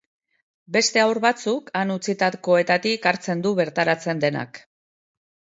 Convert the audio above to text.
Beste haur batzuk han utzitakoetatik hartzen du bertaratzen denak.